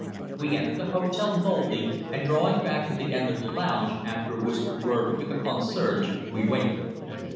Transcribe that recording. We entered the hotel boldly, and drawing back to the end of the lounge, after a whispered word with the concierge, we waited.